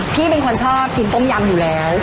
พี่เป็นคนชอบกินต้มยำอยู่แล้ว